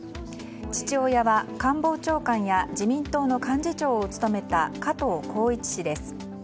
父親は官房長官や自民党の幹事長を務めた加藤紘一氏です。